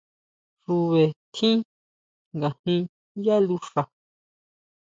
Xuʼbe tjín ngajin yá luxa.